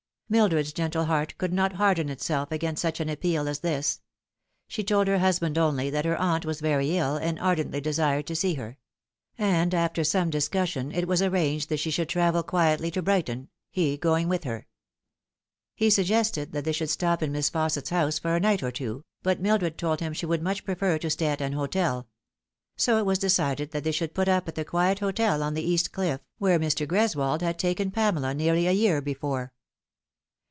Mildred's gentle heart could not harden itself against such an appeal as this. She told her husband only that her aunt was very ill and ardently desired to see her ; and after some discus sion it was arranged that she should travel quietly to Brighton, he going with her. He suggested that they should stop in Miss Fausset's house for a night or two, but Mildred told him she would much prefer to stay at an hotel ; so it was de cided that they should put up at the quiet hotel on the East Cliff, where Mr. Greswold had taken Pamela nearly a year be fore.